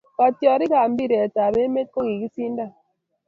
katjarik ab mpiret ab emet kokikisindan